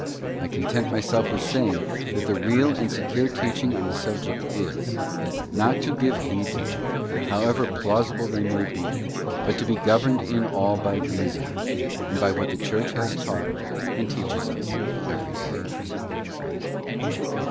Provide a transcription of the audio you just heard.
I content myself with saying, that the real and secure teaching on the subject is, not to give heed to them, however plausible they may be, but to be governed in all by Reason, and by what the Church has taught and teaches us every day.